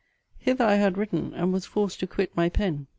Hither I had written, and was forced to quit my pen.